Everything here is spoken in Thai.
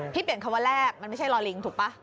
เปลี่ยนคำว่าแรกมันไม่ใช่รอลิงถูกป่ะ